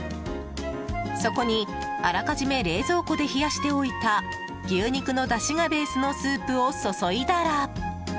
そこに、あらかじめ冷蔵庫で冷やしておいた牛肉のだしがベースのスープを注いだら。